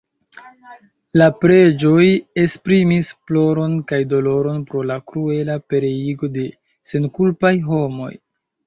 La preĝoj esprimis ploron kaj doloron pro la kruela pereigo de senkulpaj homoj.